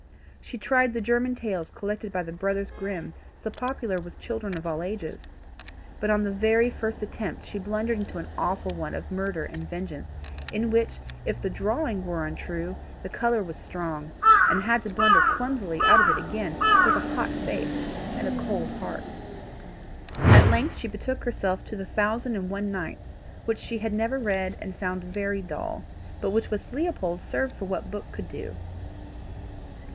She tried the German tales collected by the brothers Grimm, so popular with children of all ages; but on the very first attempt she blundered into an awful one of murder and vengeance, in which, if the drawing was untrue, the colour was strong, and had to blunder clumsily out of it again, with a hot face and a cold heart. At length she betook herself to the Thousand and One Nights, which she had never read, and found very dull, but which with Leopold served for what book could do.